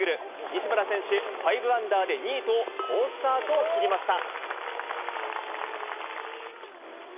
西村選手、５アンダーで２位と、好スタートを切りました。